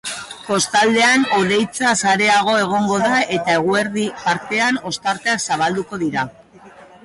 Kostaldean hodeitza sareago egongo da eta eguerdi partean ostarteak zabalduko dira.